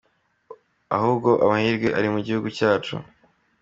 Ahubwo amahirwe ari mu gihugu cyacu.